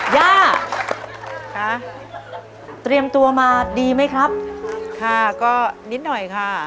ย่าค่ะเตรียมตัวมาดีไหมครับค่ะก็นิดหน่อยค่ะ